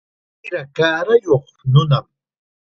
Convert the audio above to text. Sira kaarayuq nunam.